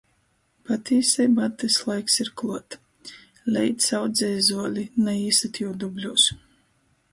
Patīseibā tys laiks ir kluot – leits audzej zuoli, na īsyt jū dubļūs.